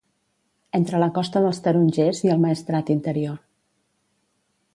Entre la Costa dels Tarongers i el Maestrat interior.